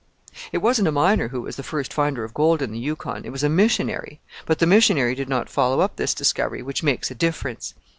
"It wasn't a miner who was the first finder of gold in the Yukon; it was a missionary. But the missionary did not follow up this discovery, which makes a difference.